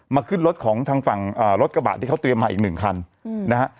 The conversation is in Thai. ขึ้นรถของทางฝั่งรถกระบะที่เขาเตรียมมาอีกหนึ่งคันนะฮะ